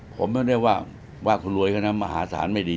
ผมก็ได้ว่าคุณรวยมหาสารไม่ดี